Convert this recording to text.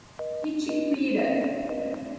Itiquira